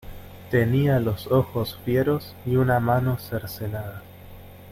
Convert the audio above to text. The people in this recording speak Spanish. tenía los ojos fieros y una mano cercenada.